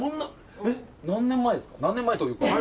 何年前ですか？